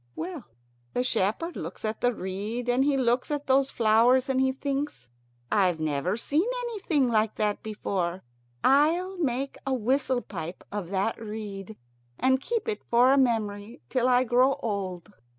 Well, the shepherd looks at the reed, and he looks at those flowers, and he thinks, "I've never seen anything like that before. I'll make a whistle pipe of that reed, and keep it for a memory till I grow old."